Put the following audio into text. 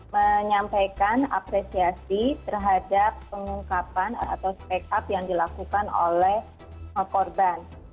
menyampaikan apresiasi terhadap pengungkapan atau speak up yang dilakukan oleh korban